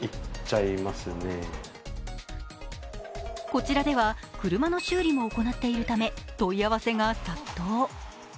こちらでは車の修理も行っているため問い合わせが殺到。